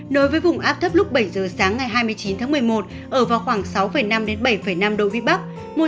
đối với vùng áp thấp lúc bảy h sáng ngày hai mươi chín một mươi một ở vào khoảng sáu năm bảy năm độ vĩ bắc